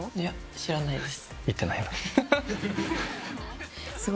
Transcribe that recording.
知らないです。